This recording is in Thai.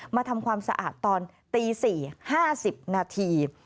มาทำความสะอาดตอนตี๔๕๐นาที